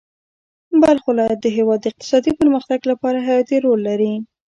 بلخ ولایت د هېواد د اقتصادي پرمختګ لپاره حیاتي رول لري.